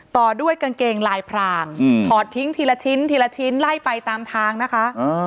ต่อด้วยกางเกงลายพรางถอดทิ้งทีละชิ้นทีละชิ้นไล่ไปตามทางนะคะ